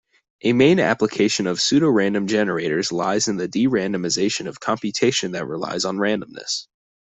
A main application of pseudorandom generators lies in the de-randomization of computation that relies on randomness.